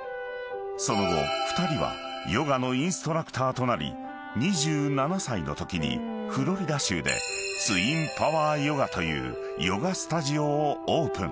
［その後２人はヨガのインストラクターとなり２７歳のときにフロリダ州でツイン・パワーヨガというヨガスタジオをオープン］